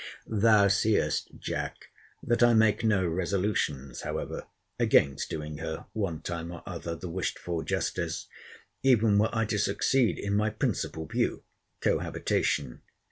Thou seest, Jack, that I make no resolutions, however, against doing her, one time or other, the wished for justice, even were I to succeed in my principal view, cohabitation.